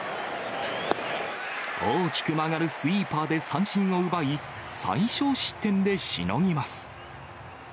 大きく曲がるスイーパーで三振を奪い、最少失点でしのぎます。